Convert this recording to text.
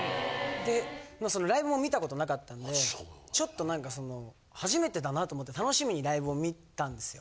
でライブも観た事なかったんでちょっと何かその初めてだなと思って楽しみにライブを観たんですよ。